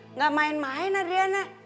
enggak main main adriana